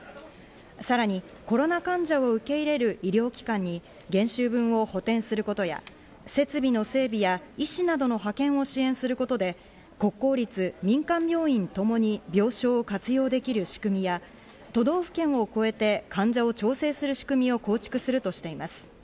さらにコロナ患者を受け入れる医療機関に減収分を補填することや、設備の整備や医師などの派遣を支援することで国公立、民間病院ともに病床を活用できる仕組みや都道府県を超えて患者を調整する仕組みを構築するとしています。